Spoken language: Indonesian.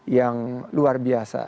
yang luar biasa